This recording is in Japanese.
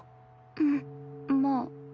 うんまあ。